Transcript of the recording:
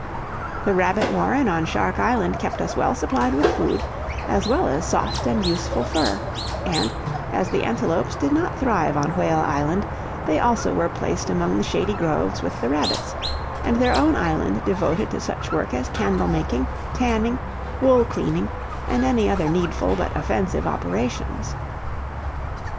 The rabbit warren on Shark Island kept us well supplied with food, as well as soft and useful fur; and, as the antelopes did not thrive on Whale Isle, they also were placed among the shady groves with the rabbits, and their own island devoted to such work as candle making, tanning, wool cleaning, and any other needful but offensive operations.